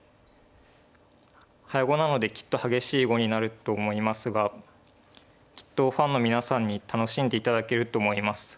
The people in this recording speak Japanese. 早碁なのできっと激しい碁になると思いますがきっとファンの皆さんに楽しんで頂けると思います。